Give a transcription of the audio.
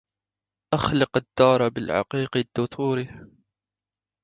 أخلق الدار بالعقيق الدثور